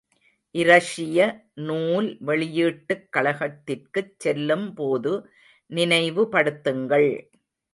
இரஷிய நூல் வெளியிட்டுக் கழகத்திற்குச் செல்லும் போது நினைவு படுத்துங்கள்.